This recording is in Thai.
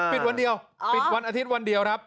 วันเดียวปิดวันอาทิตย์วันเดียวครับ